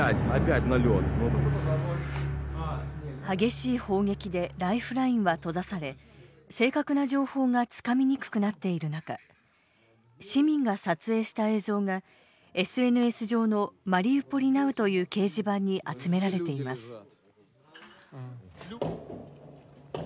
激しい砲撃でライフラインは閉ざされ正確な情報がつかみにくくなっている中市民が撮影した映像がＳＮＳ上の「マリウポリナウ」という掲示板に集められています。